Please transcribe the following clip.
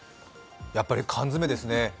やっぱり缶詰ですね。